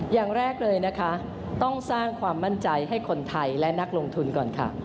อย่างแรกเลยนะคะต้องสร้างความมั่นใจให้คนไทยและนักลงทุนก่อนค่ะ